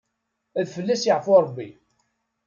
Ad fell-as yaɛfu Rebbi.